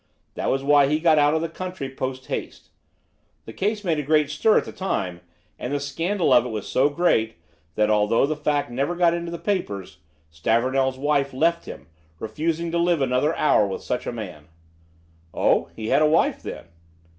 That was why he got out of the country post haste. The case made a great stir at the time, and the scandal of it was so great that, although the fact never got into the papers, Stavornell's wife left him, refusing to live another hour with such a man." "Oh, he had a wife, then?"